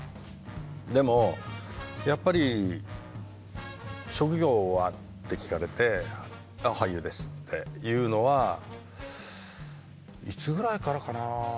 でもやっぱり「職業は？」って聞かれて「俳優です」って言うのはいつぐらいからかな